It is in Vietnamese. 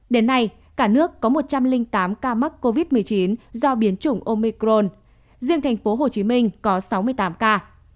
đến nay cả nước có một trăm linh tám ca mắc covid một mươi chín do biến chủng omicron riêng tp hcm có sáu mươi tám ca